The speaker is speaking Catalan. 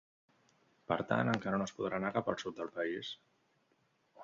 Per tant, encara no es podrà anar cap al sud del país.